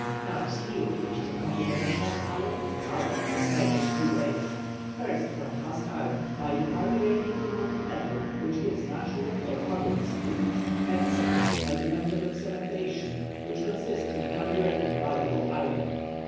Now steel, which is a combination of iron and carbon, is made in two ways: first from cast iron, by decarburetting the molten metal, which gives natural or puddled steel; and, second, by the method of cementation, which consists in carburetting malleable iron.